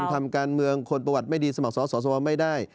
ทำการเมืองคนประวัติไม่ดีสมัครสอสอสวไม่ได้